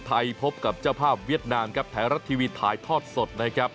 พบกับเจ้าภาพเวียดนามครับไทยรัฐทีวีถ่ายทอดสดนะครับ